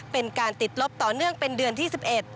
เป็นการติดลบต่อเนื่องเป็นเดือนที่๑๑